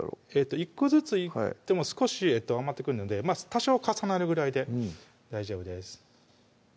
１個ずついっても少し余ってくるので多少重なるぐらいで大丈夫です